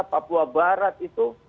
papua barat itu